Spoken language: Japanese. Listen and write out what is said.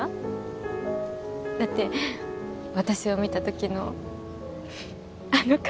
だって私を見たときのあの顔。